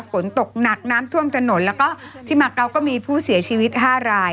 ฝนตกหนักน้ำท่วมถนนแล้วก็ที่มาเกาะก็มีผู้เสียชีวิต๕ราย